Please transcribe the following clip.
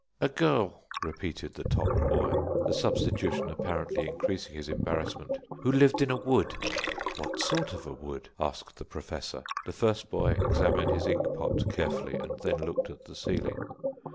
"A girl," repeated the top boy, the substitution apparently increasing his embarrassment, "who lived in a wood." "What sort of a wood?" asked the Professor. The first boy examined his inkpot carefully, and then looked at the ceiling.